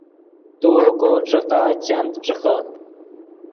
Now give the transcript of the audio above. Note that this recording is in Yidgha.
تو اوکو ݯیقا چند ݯیقے